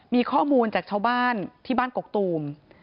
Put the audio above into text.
มีข้อมูลจากชาวบ้านที่บ้านกกตูม